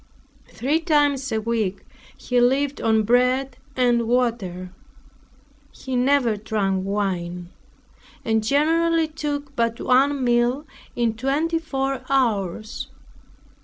Three times a week he lived on bread and water. He never drank wine, and generally took but one meal in twenty four hours.